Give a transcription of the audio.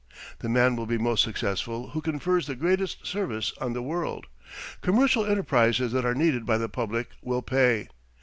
The man will be most successful who confers the greatest service on the world. Commercial enterprises that are needed by the public will pay.